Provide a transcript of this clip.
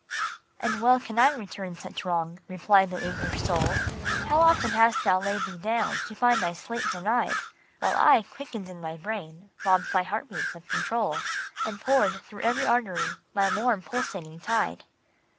" And well can I return such wrong," replied the eager Soul. " How often hast thou laid thee down, to find thy sleep denied ? While I quickened in thy brain, robbed thy heart beats of control, And poured through every artery my warm, pulsating tide?